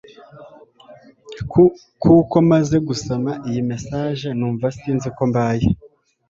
kuko maze gusoma iyi message numva sinzi uko mbaye